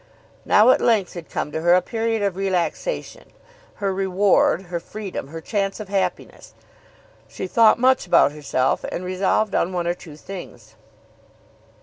Now at length had come to her a period of relaxation her reward, her freedom, her chance of happiness. She thought much about herself, and resolved on one or two things.